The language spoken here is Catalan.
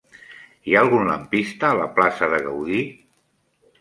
Hi ha algun lampista a la plaça de Gaudí?